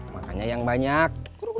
makanya yang banyak